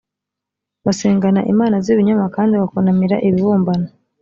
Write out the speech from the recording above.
basengaga imana z’ibinyoma kandi bakunamira ibibumbano